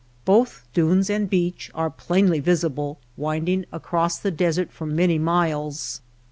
Both dunes and beach are plainly visible winding across the desert for many miles.